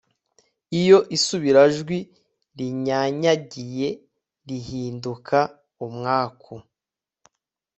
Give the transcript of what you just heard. iyo isubirajwi rinyanyagiyerihinduka umwaku